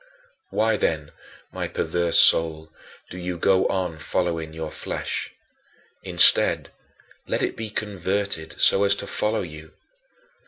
17. Why then, my perverse soul, do you go on following your flesh? Instead, let it be converted so as to follow you.